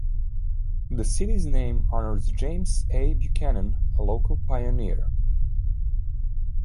The city's name honors James A. Buchanan, a local pioneer.